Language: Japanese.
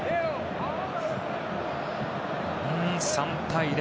３対０。